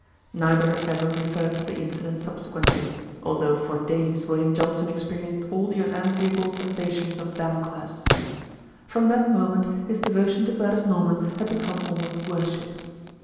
Neither ever referred to the incident subsequently although for days William Johnson experienced all the unenviable sensations of Damocles. From that moment his devotion to Gladys Norman had become almost worship.